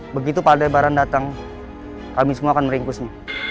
begitu pak aldebaran datang kami semua akan meringkusnya